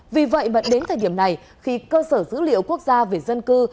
vì vậy mà đến thời điểm này khi cơ sở dữ liệu quốc gia về dân cư